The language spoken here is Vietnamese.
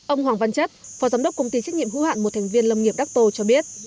ông hoàng văn chất phó giám đốc công ty trách nhiệm hữu hạn một thành viên lâm nghiệp đắc tô cho biết